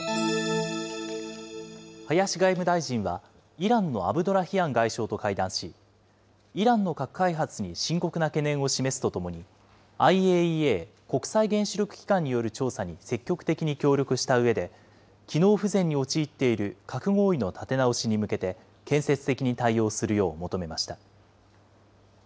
林外務大臣は、イランのアブドラヒアン外相と会談し、イランの核開発に深刻な懸念を示すとともに、ＩＡＥＡ・国際原子力機関による調査に積極的に協力したうえで、機能不全に陥っている核合意の立て直しに向けて建設的に対応するよう求めました。